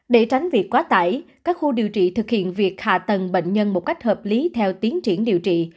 để tránh việc quá tải các khu điều trị thực hiện việc hạ tầng bệnh nhân một cách hợp lý theo tiến triển điều trị